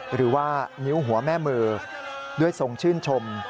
หรือว่านิ้วหัวแม่มือด้วยทรงชื่นชม